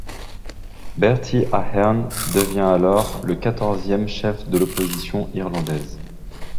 Bertie Ahern devient alors le quatorzième chef de l'Opposition irlandaise.